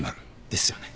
ですよね。